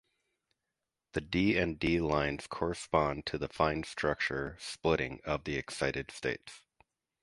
The D and D lines correspond to the fine-structure splitting of the excited states.